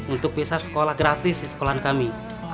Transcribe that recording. untuk pisah sekolah gratis di sekolah kami